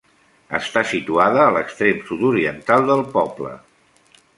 Està situada a l'extrem sud-oriental del poble.